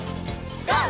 ＧＯ！